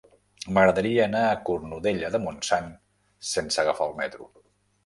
M'agradaria anar a Cornudella de Montsant sense agafar el metro.